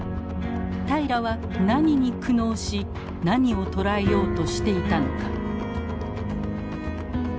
平良は何に苦悩し何をとらえようとしていたのか。